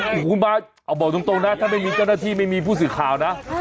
โอ้โหคุณมาเอาบอกตรงนะถ้าไม่มีเจ้าหน้าที่ไม่มีผู้สื่อข่าวนะ